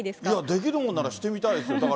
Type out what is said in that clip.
いや、できるもんならしてみたいですよ。